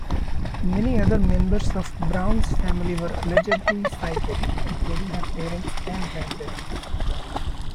Many other members of Brown's family were allegedly psychic, including her parents and grandparents.